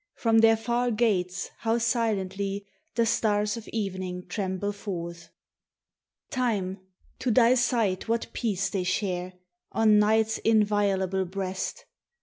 From their far gates how silently The stars of evening tremble forth! Time, to thy sight what peace they share On Night's inviolable breast!